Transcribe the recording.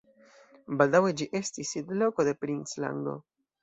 Baldaŭe ĝi estis sidloko de princlando.